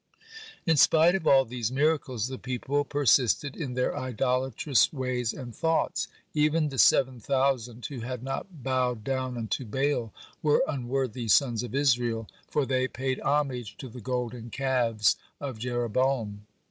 (22) In spite of all these miracles, the people persisted in their idolatrous ways and thoughts. Even the seven thousand who had not bowed down unto Baal were unworthy sons of Israel, for they paid homage to the golden calves of Jeroboam.